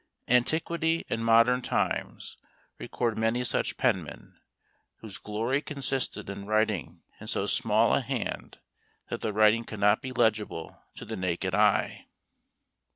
Antiquity and modern times record many such penmen, whose glory consisted in writing in so small a hand that the writing could not be legible to the naked eye.